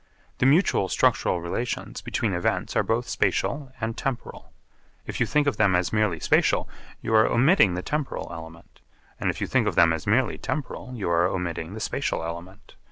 The mutual structural relations between events are both spatial and temporal. If you think of them as merely spatial you are omitting the temporal element, and if you think of them as merely temporal you are omitting the spatial element.